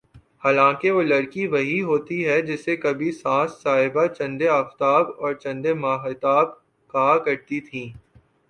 حالانکہ وہ لڑکی وہی ہوتی ہے جسے کبھی ساس صاحبہ چندے آفتاب اور چندے ماہتاب کہا کرتی تھیں